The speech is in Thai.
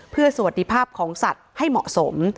เพื่อสวัสดีภาพของสัตว์ให้เหมาะสม